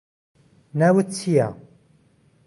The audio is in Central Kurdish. ناوت چییە؟